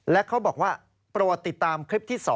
และเขาบอกว่าโปรดติดตามคลิปที่๒